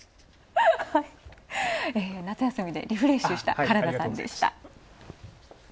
夏休みでリフレッシュした原田さんでした。